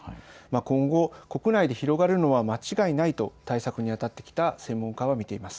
今後、国内で広がるのは間違いないと対策にあたってきた専門家は見ています。